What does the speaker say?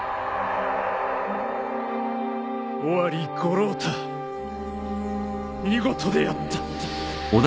オワリ五郎太見事であった。